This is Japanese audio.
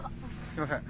すみません。